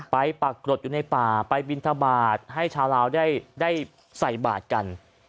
ไปปรากฏอยู่ในป่าไปบินทบาทให้ชาวลาวได้ใส่บาทกัน